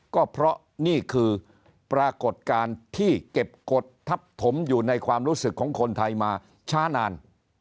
ก็เพราะนี่คือปรากฏการณ์ที่เก็บกฎทับถมอยู่ในความรู้สึกของคนไทยมาช้านาน